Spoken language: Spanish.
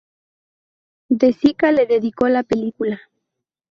De Sica le dedicó la película.